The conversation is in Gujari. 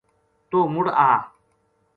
توہ مُڑ آ